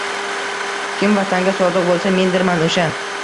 “Kim Vatanga sodiq bo‘lsa, mendirman o‘sha”